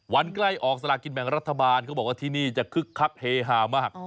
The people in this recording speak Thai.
ใกล้ออกสลากินแบ่งรัฐบาลเขาบอกว่าที่นี่จะคึกคักเฮฮามาก